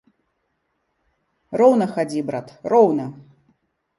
Роўна хадзі, брат, роўна!